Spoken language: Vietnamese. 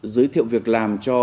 giới thiệu việc làm cho